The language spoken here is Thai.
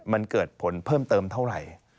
มันเกิดผลเพิ่มเติมเท่าไหร่